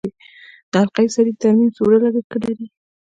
د حلقوي سړک ترمیم څومره لګښت لري؟